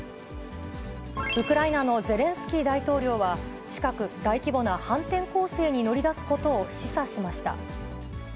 ウクライナのゼレンスキー大統領は近く、大規模な反転攻勢に乗り出すことを示唆しました。